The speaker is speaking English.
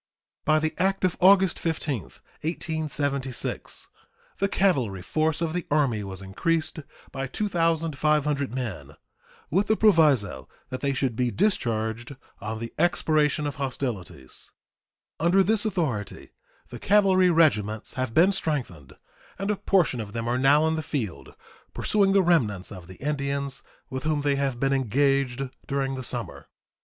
By the act of August 15, 1876, the cavalry force of the Army was increased by 2,500 men, with the proviso that they should be discharged on the expiration of hostilities. Under this authority the cavalry regiments have been strengthened, and a portion of them are now in the field pursuing the remnants of the Indians with whom they have been engaged during the summer.